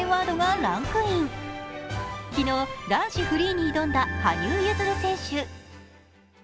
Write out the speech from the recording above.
昨日、男子フリーに挑んだ羽生結弦選手。